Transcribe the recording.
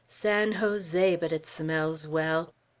San Jose! but it smells well!